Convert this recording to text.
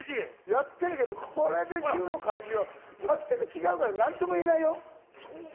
やってるけど、これで銃の感じは全く違うから何とも言えないよ。